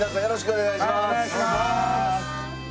お願いします。